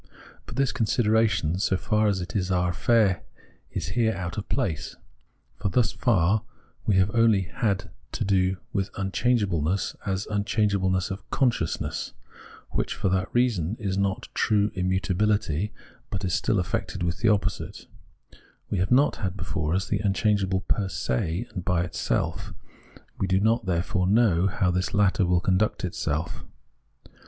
But this consideration, so far as it is our affair, § is here out of place, for thus far we have only had to do with im changeableness as unchangeableness of consciousness, which, for that reason, is not true immutabihty, but is still affected with an opposite ; we have not had before us the unchangeable per se and by itself ; we do not, therefore, know how this latter will conduct itself.